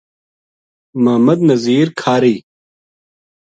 محمد نزیر کھاہری